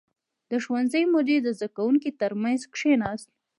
• د ښوونځي مدیر د زده کوونکو تر منځ کښېناست.